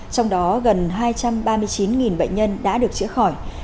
trong đó gần hai trăm ba mươi chín bệnh nhân đã được chữa khỏi